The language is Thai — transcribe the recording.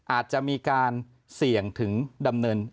อาจจะมีการเสี่ยงถึงดำเนิน